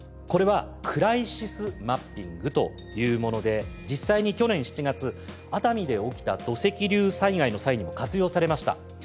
これはクライシスマッピングというもので実際に去年７月熱海で起きた土石流災害の際にも活用されました。